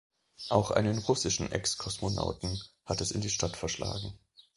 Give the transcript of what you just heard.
Auch einen russischen Ex-Kosmonauten hat es in die Stadt verschlagen.